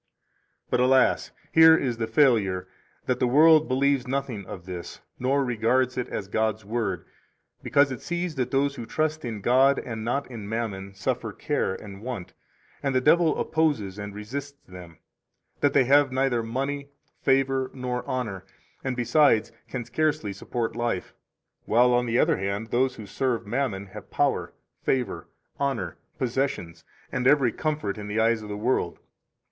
42 But, alas! here is the failure, that the world believes nothing of this, nor regards it as God's Word because it sees that those who trust in God and not in Mammon suffer care and want, and the devil opposes and resists them, that they have neither money, favor, nor honor, and, besides, can scarcely support life; while, on the other hand, those who serve Mammon have power, favor, honor, possessions, and every comfort in the eyes of the world.